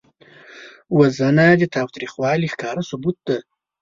وژنه د تاوتریخوالي ښکاره ثبوت دی